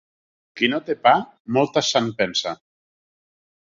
Qui no té pa, moltes se'n pensa